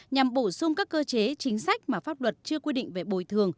nhằm bổ sung các cơ chế chính sách mà pháp luật chưa quy định về bồi thường